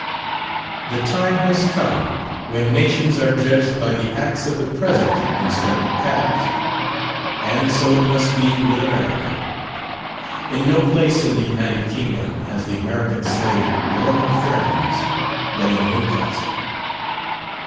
The time has come when nations are judged by the acts of the present instead of the past. And so it must be with America. In no place in the United Kingdom has the American Slave warmer friends than in Newcastle.